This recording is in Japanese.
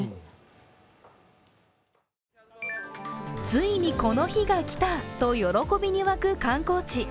ついにこの日が来たと喜びに沸く観光地。